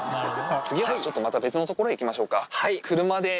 次はちょっとまた別の所に行きましょうか。